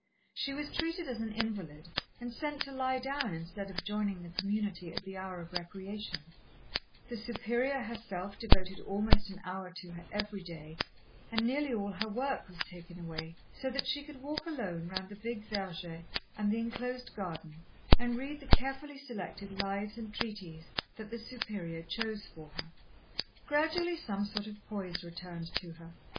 She was treated as an invalid, and sent to lie down instead of joining the community at the hour of recreation, the Superior herself devoted almost an hour to her every day, and nearly all her work was taken away, so that she could walk alone round the big verger and the enclosed garden, and read the carefully selected Lives and Treatises that the Superior chose for her. Gradually some sort of poise returned to her.